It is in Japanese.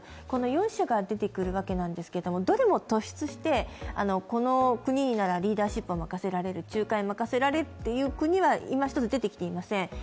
この４者が出てくるわけなんですがどれも突出してこの国ならリーダーシップを任せられる、仲介を任せられるという国はいまひとつ、出てきていません。